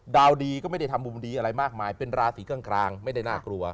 ดาวดีก็ไม่ได้ทำมุมดีอะไรมากมายเป็นราศีกลางไม่ได้น่ากลัว